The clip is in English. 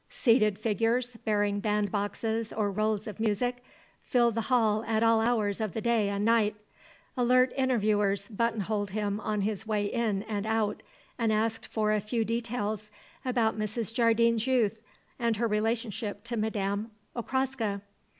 Seated figures, bearing band boxes or rolls of music, filled the hall at all hours of the day and night. Alert interviewers button holed him on his way in and out and asked for a few details about Mrs. Jardine's youth, and her relationship to Madame Okraska.